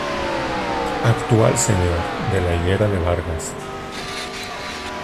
Actual señor de la Higuera de Vargas